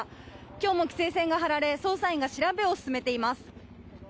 今日も規制線が張られ捜査員が調べを進めています。